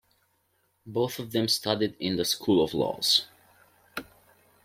Both of them studied in the School of Laws.